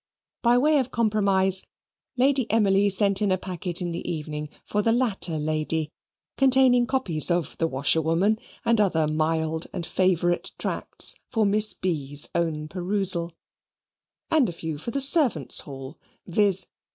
By way of compromise, Lady Emily sent in a packet in the evening for the latter lady, containing copies of the "Washerwoman," and other mild and favourite tracts for Miss B.'s own perusal; and a few for the servants' hall, viz.